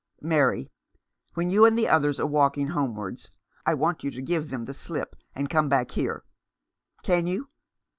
" Mary, when you and the others are walking homewards, I want you to give them the slip, and come back here. Can you